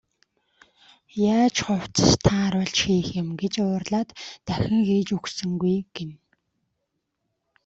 Яаж хувцас тааруулж хийх юм гэж уурлаад дахин хийж өгсөнгүй гэнэ.